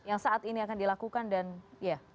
yang saat ini akan dilakukan dan ya